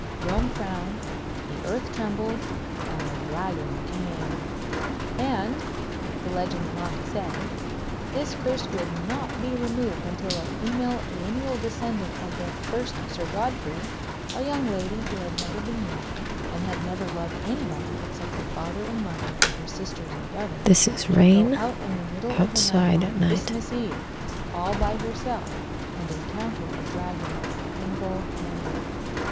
Rome frowned, the earth trembled, and the Dragon came. And (the legend went on to say) this curse would not be removed until a female lineal descendant of the first Sir Godfrey, a young lady who had never been married, and had never loved anybody except her father and mother and her sisters and brothers, should go out in the middle of the night on Christmas Eve, all by herself, and encounter the Dragon single handed.